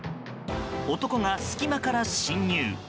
男が隙間から侵入。